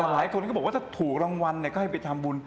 หลายคนก็บอกว่าถ้าถูกรางวัลก็ให้ไปทำบุญ